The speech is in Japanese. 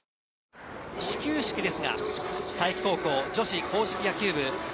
始球式ですが佐伯高校女子硬式野球部。